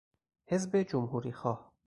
حزب جمهوریخواه